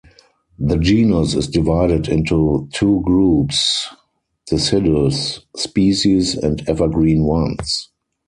The genus is divided into two groups - deciduous species and evergreen ones.